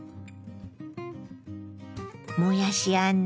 もやしあんの